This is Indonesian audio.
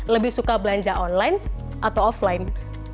lebih suka belanja online atau offline